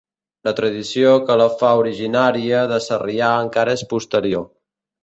La tradició que la fa originària de Sarrià encara és posterior.